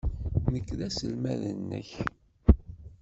Nekk d aselmad-nnek.